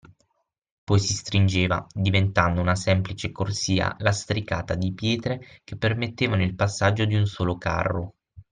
Poi si stringeva, diventando una semplice corsia lastricata di pietre che permetteva il passaggio di un solo carro.